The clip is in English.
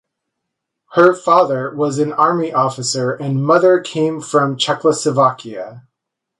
Her father was an army officer and mother came from Czechoslovakia.